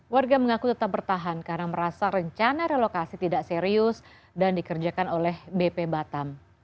warga mengaku tetap bertahan karena merasa rencana relokasi tidak serius dan dikerjakan oleh bp batam